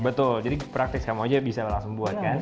betul jadi praktis kamu aja bisa langsung buat kan